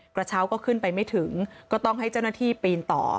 กระเช้าก็ขึ้นไปไม่ถึงก็ต้องให้เจ้าหน้าที่ปีนต่อ